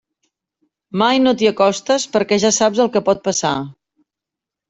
Mai no t'hi acostes perquè ja saps el que pot passar.